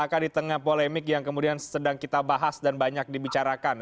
apakah di tengah polemik yang kemudian sedang kita bahas dan banyak dibicarakan